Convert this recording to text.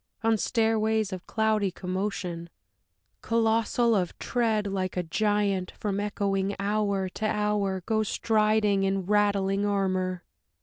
on stairways of cloudy commotion, Colossal of tread, like a giant, from echoing hour to hour Goes striding in rattling armor....